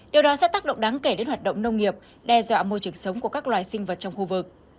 điều đó sẽ tác động đáng kể đến hoạt động nông nghiệp đe dọa môi trường sống của các loài sinh vật trong khu vực